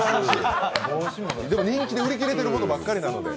でも人気で売り切れてるものばっかりで。